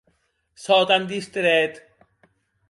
Sò tan distrèt!